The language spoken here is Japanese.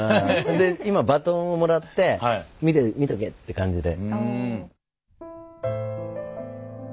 で今バトンをもらって「見とけ！」って感じで。